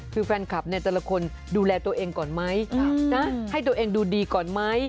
คือแฟนคลับเนี่ยแต่ละคนดูแลตัวเองก่อนไหมให้ตัวเองดูดีก่อนไหม